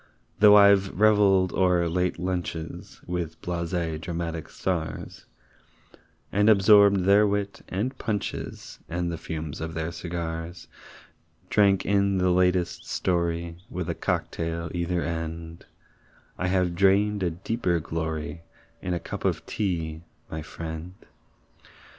Though I've reveled o'er late lunches With blasé dramatic stars, And absorbed their wit and punches And the fumes of their cigars Drank in the latest story, With a cock tail either end, I have drained a deeper glory In a cup of tea, my friend.